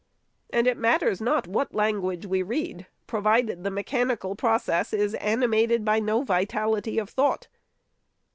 And it matters not what language we read, provided the mechanical process is animated by no vitality of thought.